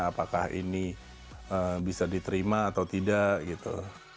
apakah ini bisa diterima atau tidak gitu